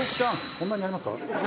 そんなにありますか？